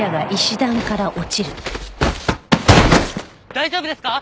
大丈夫ですか？